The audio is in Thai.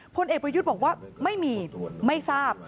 พลเอกประยุทธ์บอกว่าไม่มีไม่ทราบ